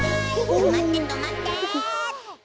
とまってとまって！